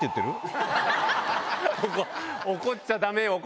怒っちゃダメよ怒